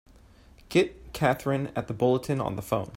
Get Katherine at the Bulletin on the phone!